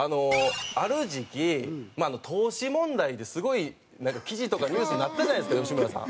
ある時期投資問題ですごい記事とかニュースになったじゃないですか吉村さん。